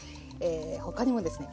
他にもですね